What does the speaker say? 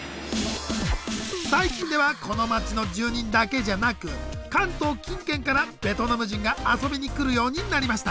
最近ではこの街の住人だけじゃなく関東近県からベトナム人が遊びに来るようになりました。